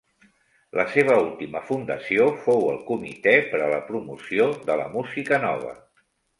La seva última fundació fou el Comitè per a la Promoció de la Música Nova.